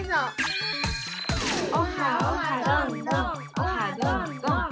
オハどんどん！